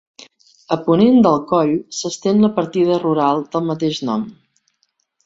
A ponent del coll s'estén la partida rural del mateix nom.